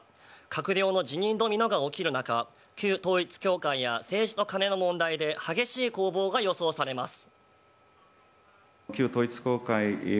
閣僚の辞任ドミノが起きる中旧統一教会や政治とカネの問題で激しい攻防が予想されます。